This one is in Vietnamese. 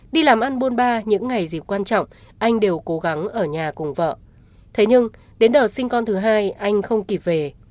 đi làm ăn bôn ba những ngày dịp quan trọng anh đều cố gắng ở nhà cùng vợ thế nhưng đến đợt sinh con thứ hai anh không kịp về